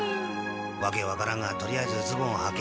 訳わからんがとりあえずズボンはけ。